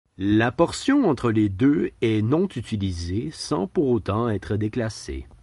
La portion entre les deux est non utilisée, sans pour autant être déclassée.